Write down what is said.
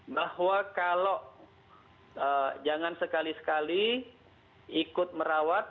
bahwa kalau jangan sekali sekali ikut merawat